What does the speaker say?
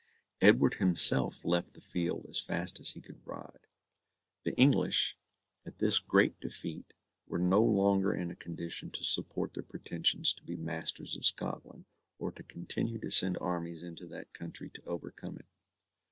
Edward himself left the field as fast as he could ride. The English, after this great defeat, were no longer in a condition to support their pretensions to be masters of Scotland, or to continue to send armies into that country to overcome it.